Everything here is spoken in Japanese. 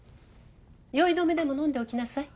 酔い止めでも飲んでおきなさい。